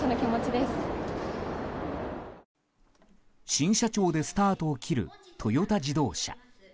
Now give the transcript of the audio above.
新社長でスタートを切るトヨタ自動車。